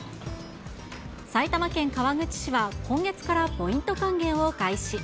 埼玉県川口市は今月からポイント還元を開始。